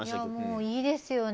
もういいですよね。